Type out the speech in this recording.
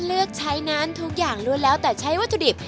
เลือกใช้นั้นทุกอย่างล้วนแล้วแต่ใช้วัตถุดิบ